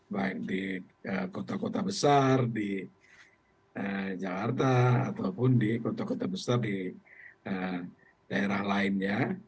baik di kota kota besar di jakarta ataupun di kota kota besar di daerah lainnya